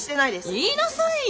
言いなさいよ。